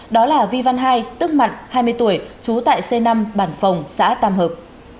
đó là vi văn hai tức mặt hai mươi tuổi trú tại c năm bản phòng xã tàm hợp